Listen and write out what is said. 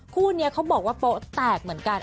คู่นี้เขาบอกว่าโป๊ะแตกเหมือนกัน